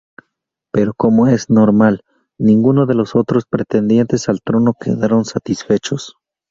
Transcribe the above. Pero como es normal, ninguno de los otros pretendientes al trono quedaron satisfechos.